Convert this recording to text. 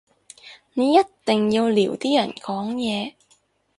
你一定要撩啲人講嘢